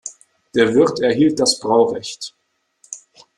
Der Wirt erhielt das Braurecht.